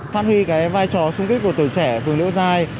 phát huy cái vai trò sung kích của tuổi trẻ phường liễu giai